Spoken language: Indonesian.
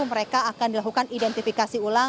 mereka akan dilakukan identifikasi ulang